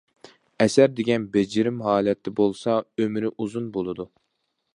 ئەسەر دېگەن بېجىرىم ھالەتتە بولسا ئۆمرى ئۇزۇن بولىدۇ.